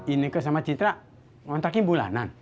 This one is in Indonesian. ini ke sama citra ngontrakin bulanan